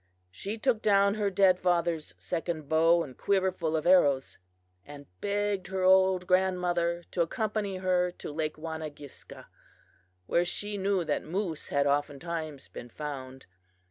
She took down her dead father's second bow and quiver full of arrows, and begged her old grandmother to accompany her to Lake Wanagiska, where she knew that moose had oftentimes been found.